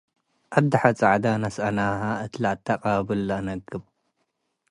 አድሐ ጸዕደ ነስአናሀ እት ለአተቅብል ለአነግብ